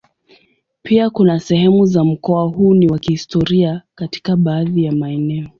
Pia kuna sehemu za mkoa huu ni wa kihistoria katika baadhi ya maeneo.